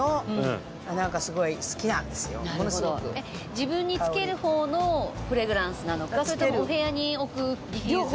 自分につける方のフレグランスなのかそれともお部屋に置くディフューザー。